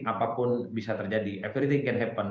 apapun bisa terjadi acurity can happen